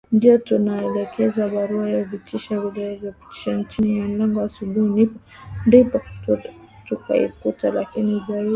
ndipo tukaletewa barua ya vitisho iliyopitishwa chini ya mlango Asubuhi ndipo tukaikuta Lakini zaidi